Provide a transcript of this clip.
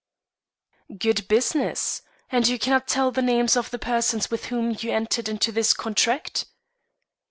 "Good business! And you cannot tell the names of the persons with whom you entered into this contract?"